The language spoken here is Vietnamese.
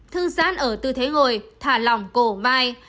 thương gián ở tư thế ngồi thả lỏng cổ mai